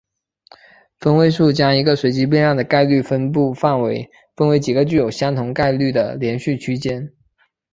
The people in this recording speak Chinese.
分位数将一个随机变量的概率分布范围分为几个具有相同概率的连续区间。